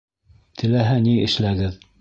Теләһә ни эшләгеҙ!